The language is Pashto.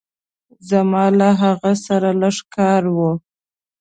زما له هغه سره لږ کار وه.